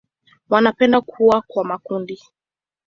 Wanapenda kuwa kwa makundi.